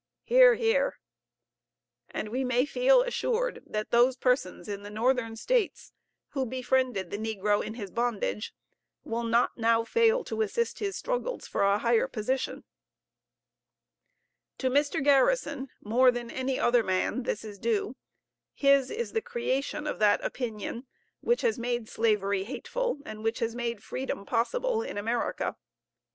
(Hear, hear.) And we may feel assured, that those persons in the Northern States who befriended the negro in his bondage will not now fail to assist his struggles for a higher position. To Mr. Garrison more than any other man this is due; his is the creation of that opinion which has made slavery hateful, and which has made freedom possible in America.